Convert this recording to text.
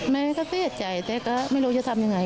แม่ก็เศษใจแต่ก็ไม่รู้จะทำอย่างไร